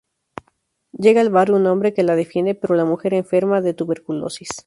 Llega al barrio un hombre que la defiende, pero la mujer enferma de tuberculosis.